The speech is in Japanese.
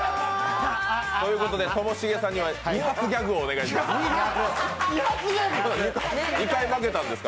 ということで、もしげさんには、２発ギャグをお願いします。